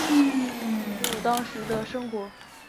记录当时的生活